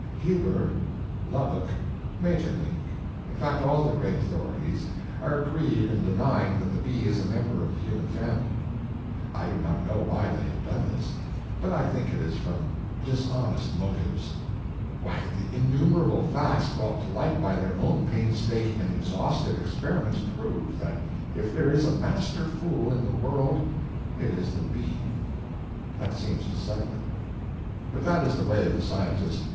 Huber, Lubbock, Maeterlinck—in fact, all the great authorities—are agreed in denying that the bee is a member of the human family. I do not know why they have done this, but I think it is from dishonest motives. Why, the innumerable facts brought to light by their own painstaking and exhaustive experiments prove that if there is a master fool in the world, it is the bee. That seems to settle it. But that is the way of the scientist.